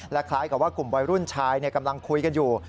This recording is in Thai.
คล้ายกับว่ากลุ่มวัยรุ่นชายกำลังคุยกันอยู่